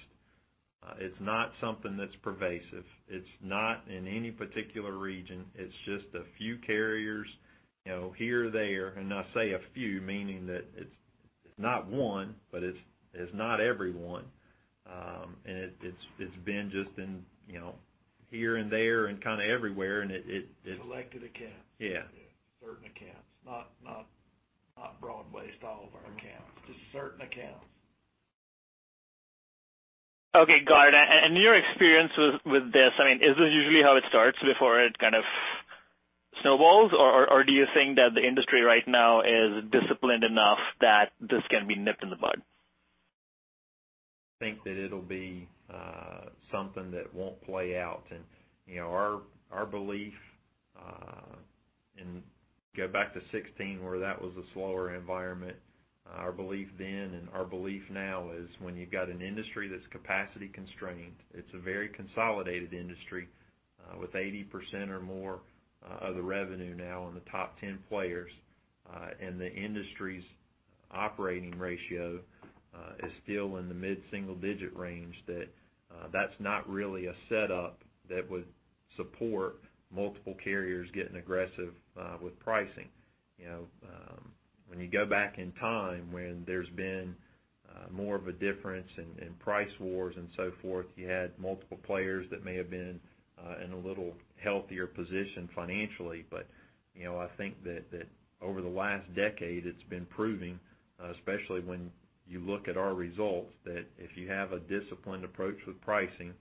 Speaker 3: It's not something that's pervasive. It's not in any particular region. It's just a few carriers here or there. I say a few, meaning that it's not one, but it's not everyone. It's been just here and there and kind of everywhere.
Speaker 2: Selected accounts.
Speaker 3: Yeah. Certain accounts. Not broad-based all of our accounts, just certain accounts.
Speaker 11: Okay, got it. In your experience with this, is this usually how it starts before it kind of snowballs? Or do you think that the industry right now is disciplined enough that this can be nipped in the bud?
Speaker 3: I think that it'll be something that won't play out. Our belief, and go back to 2016, where that was a slower environment, our belief then and our belief now is when you've got an industry that's capacity constrained, it's a very consolidated industry with 80% or more of the revenue now in the top 10 players, and the industry's operating ratio is still in the mid-single-digit range, that's not really a setup that would support multiple carriers getting aggressive with pricing. When you go back in time when there's been more of a difference in price wars and so forth, you had multiple players that may have been in a little healthier position financially. I think that over the last decade, it's been proving, especially when you look at our results, that if you have a disciplined approach with pricing,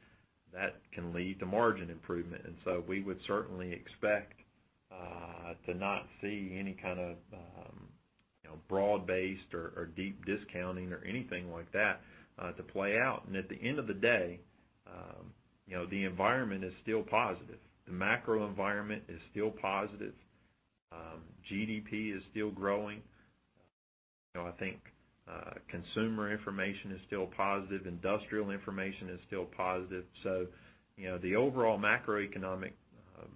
Speaker 3: that can lead to margin improvement. We would certainly expect to not see any kind of broad-based or deep discounting or anything like that to play out. At the end of the day, the environment is still positive. The macro environment is still positive. GDP is still growing. I think consumer information is still positive. Industrial information is still positive. The overall macroeconomic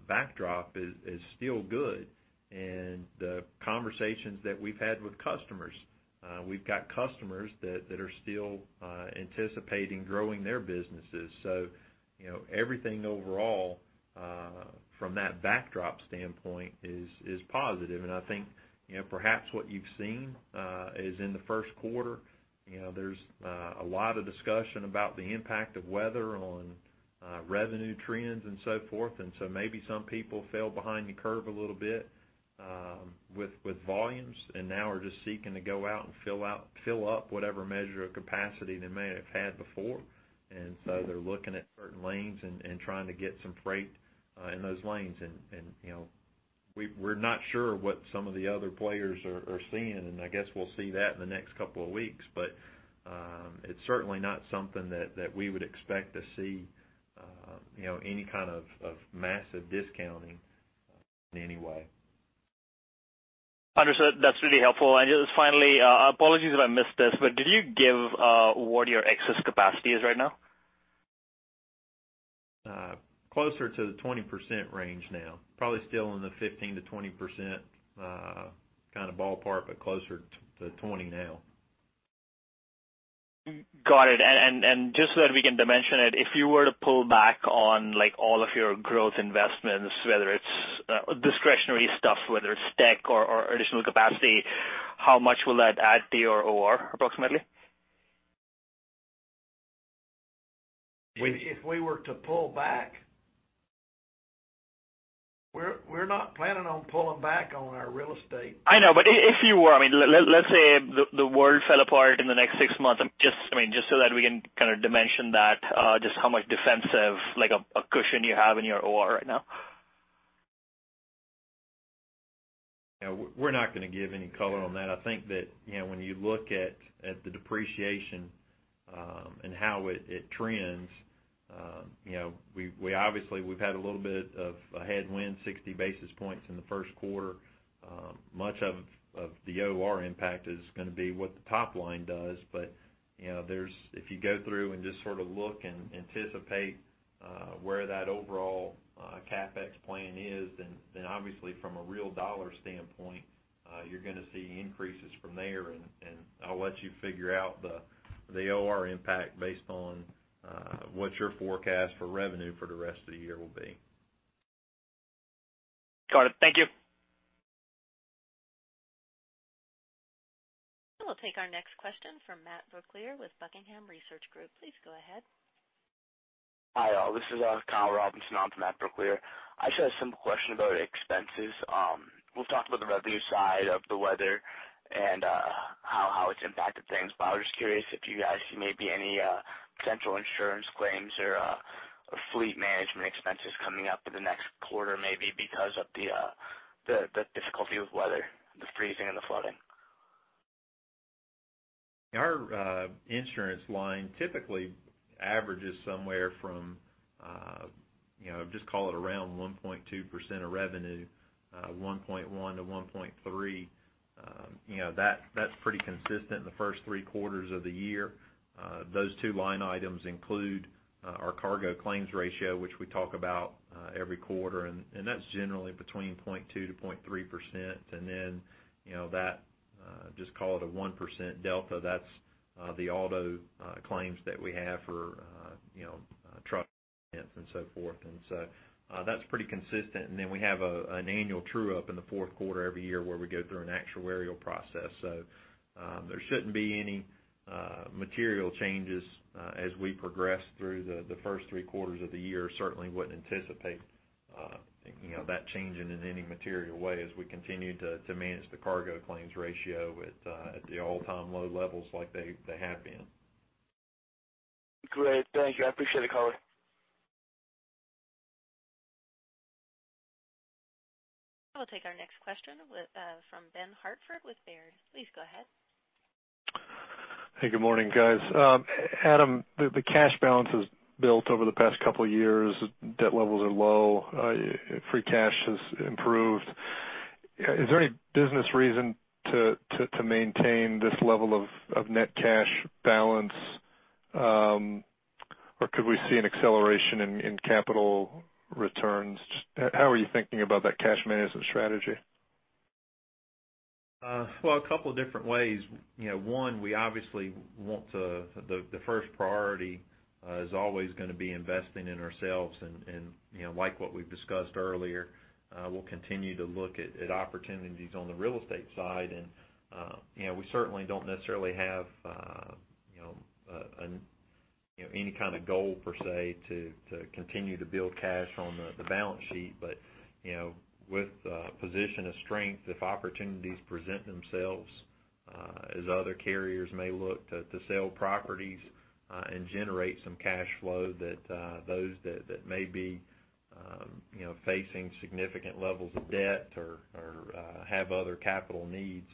Speaker 3: backdrop is still good. The conversations that we've had with customers, we've got customers that are still anticipating growing their businesses. Everything overall from that backdrop standpoint is positive. I think perhaps what you've seen is in the first quarter, there's a lot of discussion about the impact of weather on revenue trends and so forth. Maybe some people fell behind the curve a little bit. With volumes, now we're just seeking to go out and fill up whatever measure of capacity they may have had before. They're looking at certain lanes and trying to get some freight in those lanes. We're not sure what some of the other players are seeing, and I guess we'll see that in the next couple of weeks. It's certainly not something that we would expect to see any kind of massive discounting in any way.
Speaker 11: Understood. That's really helpful. Just finally, apologies if I missed this, but did you give what your excess capacity is right now?
Speaker 3: Closer to the 20% range now. Probably still in the 15%-20% ballpark, closer to 20% now.
Speaker 11: Got it. Just so that we can dimension it, if you were to pull back on all of your growth investments, whether it's discretionary stuff, whether it's tech or additional capacity, how much will that add to your OR approximately?
Speaker 2: If we were to pull back? We're not planning on pulling back on our real estate.
Speaker 11: I know, if you were. Let's say the world fell apart in the next six months, just so that we can dimension that, just how much defensive cushion you have in your OR right now.
Speaker 3: We're not going to give any color on that. I think that when you look at the depreciation and how it trends, obviously we've had a little bit of a headwind, 60 basis points in the first quarter. Much of the OR impact is going to be what the top line does. If you go through and just sort of look and anticipate where that overall CapEx plan is, then obviously from a real dollar standpoint, you're going to see increases from there. I'll let you figure out the OR impact based on what your forecast for revenue for the rest of the year will be.
Speaker 11: Got it. Thank you.
Speaker 1: We'll take our next question from Matthew Brooklier with Buckingham Research Group. Please go ahead.
Speaker 12: Hi, all. This is Kyle Robinson. I'm from Matthew Brooklier. I just had a simple question about expenses. We've talked about the revenue side of the weather and how it's impacted things, but I was just curious if you guys see maybe any potential insurance claims or fleet management expenses coming up in the next quarter, maybe because of the difficulty with weather, the freezing and the flooding.
Speaker 3: Our insurance line typically averages somewhere from, just call it around 1.2% of revenue, 1.1%-1.3%. That's pretty consistent in the first three quarters of the year. Those two line items include our cargo claims ratio, which we talk about every quarter, and that's generally between 0.2%-0.3%. That, just call it a 1% delta, that's the auto claims that we have for truck and so forth. That's pretty consistent. Then we have an annual true-up in the fourth quarter every year where we go through an actuarial process. There shouldn't be any material changes as we progress through the first three quarters of the year. Certainly wouldn't anticipate that changing in any material way as we continue to manage the cargo claims ratio at the all-time low levels like they have been.
Speaker 12: Great. Thank you. I appreciate the color.
Speaker 1: I'll take our next question from Benjamin Hartford with Baird. Please go ahead.
Speaker 13: Hey, good morning, guys. Adam, the cash balance is built over the past couple of years. Debt levels are low. Free cash has improved. Is there any business reason to maintain this level of net cash balance? Could we see an acceleration in capital returns? How are you thinking about that cash management strategy?
Speaker 3: Well, a couple different ways. One, we obviously want the first priority is always going to be investing in ourselves. Like what we've discussed earlier, we'll continue to look at opportunities on the real estate side. We certainly don't necessarily have any kind of goal, per se, to continue to build cash on the balance sheet. With a position of strength, if opportunities present themselves as other carriers may look to sell properties and generate some cash flow, those that may be facing significant levels of debt or have other capital needs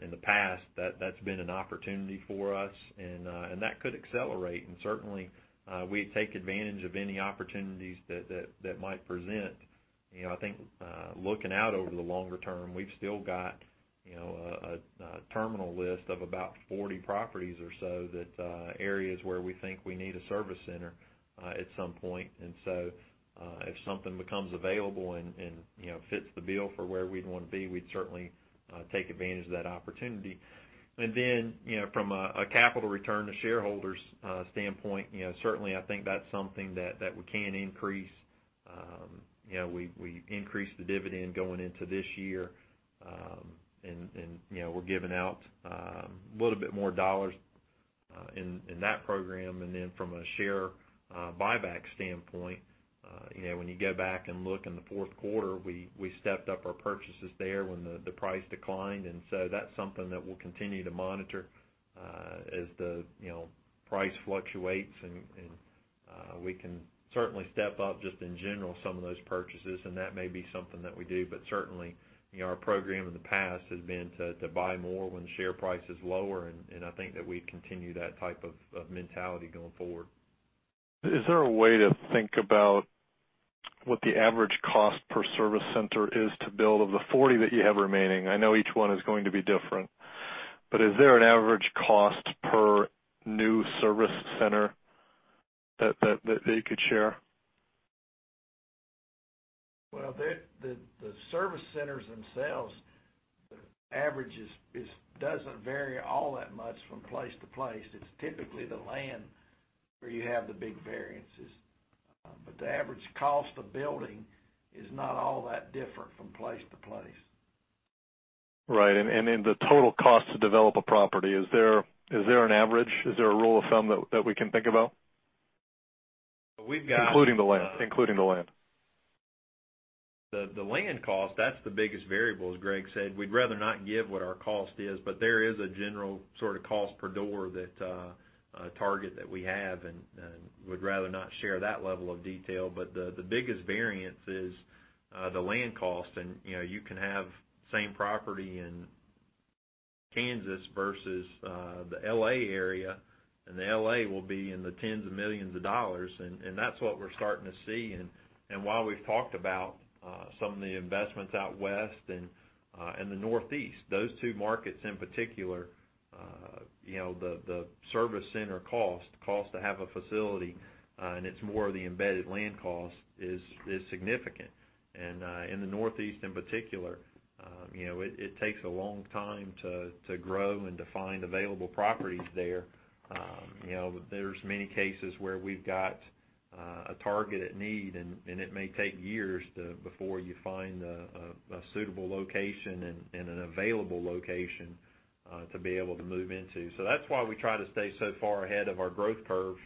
Speaker 3: in the past, that's been an opportunity for us and that could accelerate. Certainly, we take advantage of any opportunities that might present. I think looking out over the longer term, we've still got a terminal list of about 40 properties or so that areas where we think we need a service center at some point. If something becomes available and fits the bill for where we'd want to be, we'd certainly take advantage of that opportunity. From a capital return to shareholders standpoint, certainly I think that's something that we can increase. We increased the dividend going into this year. We're giving out a little bit more dollars in that program. From a share buyback standpoint, when you go back and look in the fourth quarter, we stepped up our purchases there when the price declined. That's something that we'll continue to monitor as the price fluctuates, and we can certainly step up, just in general, some of those purchases, and that may be something that we do. Certainly, our program in the past has been to buy more when share price is lower. I think that we continue that type of mentality going forward.
Speaker 13: Is there a way to think about what the average cost per service center is to build of the 40 that you have remaining? I know each one is going to be different, but is there an average cost per new service center that you could share?
Speaker 2: Well, the service centers themselves, the average doesn't vary all that much from place to place. It's typically the land where you have the big variances. The average cost of building is not all that different from place to place.
Speaker 13: Right. In the total cost to develop a property, is there an average? Is there a rule of thumb that we can think about?
Speaker 3: We've got-
Speaker 13: Including the land
Speaker 3: The land cost, that's the biggest variable. As Greg said, we'd rather not give what our cost is, but there is a general sort of cost per door that, a target that we have, and would rather not share that level of detail. The biggest variance is the land cost. You can have same property in Kansas versus the L.A. area, and the L.A. will be in the tens of millions of dollars, and that's what we're starting to see. While we've talked about some of the investments out West and the Northeast, those two markets in particular, the service center cost to have a facility, and it's more of the embedded land cost is significant. In the Northeast in particular, it takes a long time to grow and to find available properties there. There's many cases where we've got a targeted need, and it may take years before you find a suitable location and an available location to be able to move into. That's why we try to stay so far ahead of our growth curve,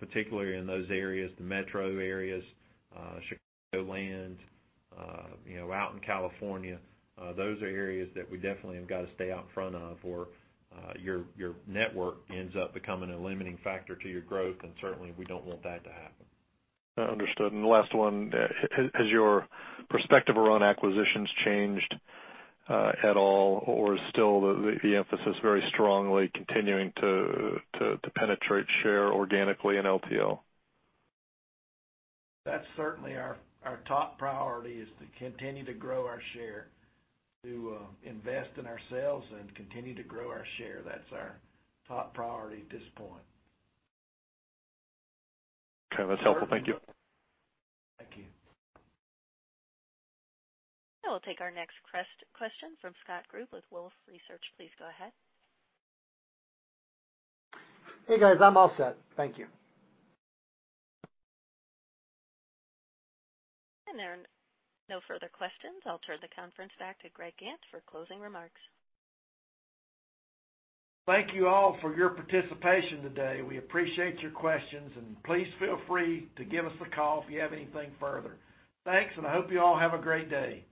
Speaker 3: particularly in those areas, the metro areas, Chicagoland, out in California. Those are areas that we definitely have got to stay out in front of, or your network ends up becoming a limiting factor to your growth. Certainly, we don't want that to happen.
Speaker 13: Understood. The last one, has your perspective around acquisitions changed at all, or is still the emphasis very strongly continuing to penetrate share organically in LTL?
Speaker 2: That's certainly our top priority is to continue to grow our share, to invest in ourselves and continue to grow our share. That's our top priority at this point.
Speaker 13: Okay. That's helpful. Thank you.
Speaker 2: Thank you.
Speaker 1: I will take our next question from Scott Group with Wolfe Research. Please go ahead.
Speaker 10: Hey, guys. I'm all set. Thank you.
Speaker 1: There are no further questions. I'll turn the conference back to Greg Gantt for closing remarks.
Speaker 2: Thank you all for your participation today. We appreciate your questions, and please feel free to give us a call if you have anything further. Thanks, and I hope you all have a great day.